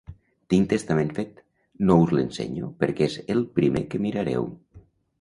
Tinc testament fet, no us l'ensenyo perquè és el primer que mirareu